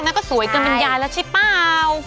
น่าก็สวยเกินบรรยายแล้วใช่เปล่า